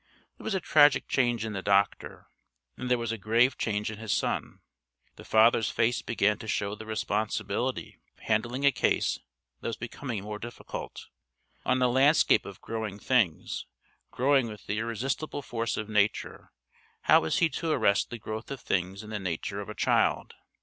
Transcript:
There was a tragic change in the doctor, and there was a grave change in his son. The father's face began to show the responsibility of handling a case that was becoming more difficult; on a landscape of growing things growing with the irresistible force of Nature, how was he to arrest the growth of things in the nature of a child?